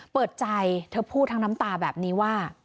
เปิดใจเธอพูดทั้งน้ำตาแบบนี้ว่า